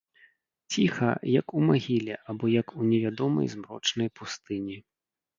Ціха, як у магіле альбо як у невядомай змрочнай пустыні.